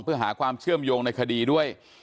เพื่อหาความเชื่อมโยงในคดีด้วย